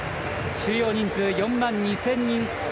収容人数４万２０００人。